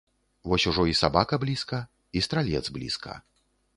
Вось ужо і сабака блізка, і стралец блізка.